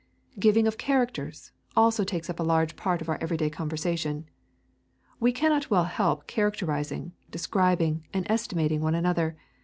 'Giving of characters' also takes up a large part of our everyday conversation. We cannot well help characterising, describing, and estimating one another.